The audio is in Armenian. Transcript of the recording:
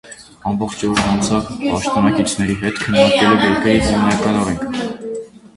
Ամբողջ օրն անցավ պաշտոնակիցների հետ քննարկելով երկրի հիմնական օրենքը։